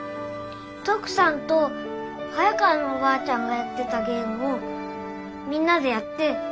トクさんと早川のおばあちゃんがやってたゲームをみんなでやって。